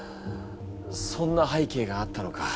そんなはいけいがあったのか。